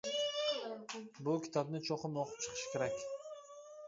بۇ كىتابنى چوقۇم ئوقۇپ چىقىش كېرەك.